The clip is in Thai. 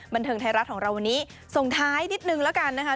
บันเทิงไทยรัฐของเราวันนี้ส่งท้ายนิดนึงแล้วกันนะคะ